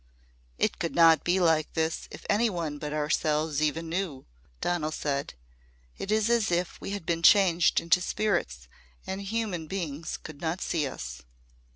"It could not be like this if any one but ourselves even knew," Donal said. "It is as if we had been changed into spirits and human beings could not see us."